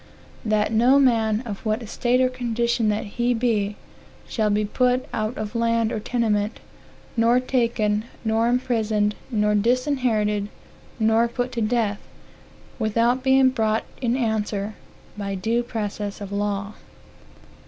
"That no man, of what estate or condition that he be, shall be put out of land or tenement, nor taken, nor imprisond, nor disinherited, nor put to death, without being brought in answer by due process of law."